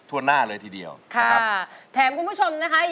เพลงที่เจ็ดเพลงที่แปดแล้วมันจะบีบหัวใจมากกว่านี้